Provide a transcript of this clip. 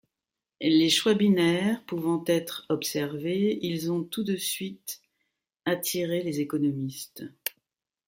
Les choix binaires pouvant être observés, ils ont tout de suite attiré les économistes.